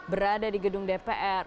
berada di gedung dpr